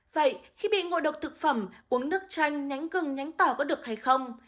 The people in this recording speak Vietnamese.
vậy khi bị ngộ độc thực phẩm uống nước chanh nhánh gừng nhánh tảo có được hay không